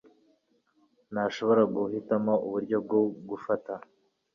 ntashobora guhitamo uburyo bwo gufata